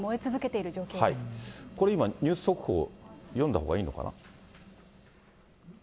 これ今、ニュース速報、読んだほうがいいのかな？